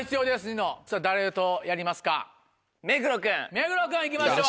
目黒君いきましょう。